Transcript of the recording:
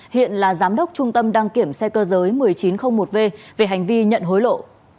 hiện là giám đốc trung tâm đăng kiểm xe cơ giới một nghìn chín trăm linh một v về hành vi nhận hối lộ